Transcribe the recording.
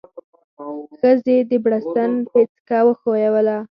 ښځې د بړستن پيڅکه وښويوله.